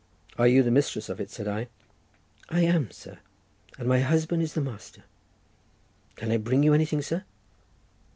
"Are you the mistress of it?" said I. "I am, sir, and my husband is the master. Can I bring you anything, sir?"